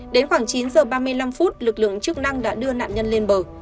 đến khoảng chín h ba mươi năm phút lực lượng chức năng đã đưa nạn nhân lên bờ